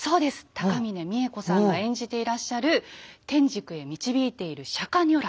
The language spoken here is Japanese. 高峰三枝子さんが演じていらっしゃる天竺へ導いている釈如来。